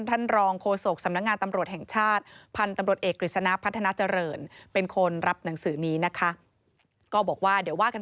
แต่เป็นการนุ้มน้าวชนชวน